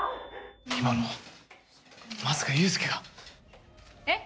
今のまさか雄亮が？えっ？